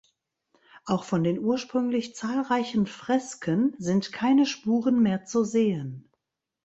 Auch von den ursprünglich zahlreichen Fresken sind keine Spuren mehr zu sehen.